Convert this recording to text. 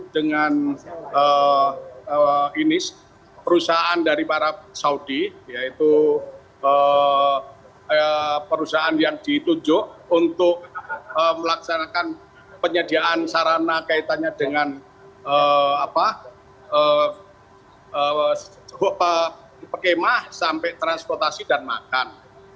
dengan perusahaan dari para saudi yaitu perusahaan yang ditunjuk untuk melaksanakan penyediaan sarana kaitannya dengan pekemah sampai transportasi dan makan